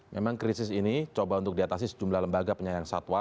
memang krisis ini coba untuk diatasi sejumlah lembaga penyayang satwa